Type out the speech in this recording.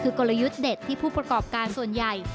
คือกลยุทธ์เด็ดที่ผู้ประกอบการส่วนใหญ่